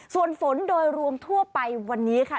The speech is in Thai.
ส่วนฝนโดยรวมทั่วไปวันนี้ค่ะ